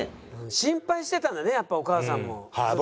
心配してたんだねやっぱお母さんもずっと。